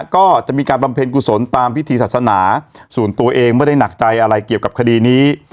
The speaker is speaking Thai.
ก็จะมีการบำเพ็ญกุศลตามพิธีศาสนาส่วนตัวเองไม่ได้หนักใจอะไรเกี่ยวกับคดีนี้